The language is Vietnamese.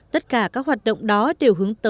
tất cả các hoạt động đó đều hướng tới